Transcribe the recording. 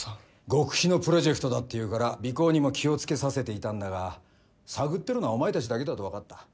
極秘のプロジェクトだっていうから尾行にも気を付けさせていたんだが探ってるのはお前たちだけだと分かった。